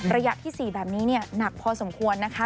ระยะที่สี่แบบนี้เนี่ยหนักพอสมควรนะคะ